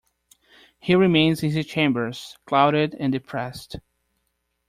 He remains in his chambers, clouded and depressed.